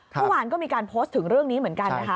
เมื่อวานก็มีการโพสต์ถึงเรื่องนี้เหมือนกันนะคะ